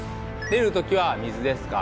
練る時は水ですか？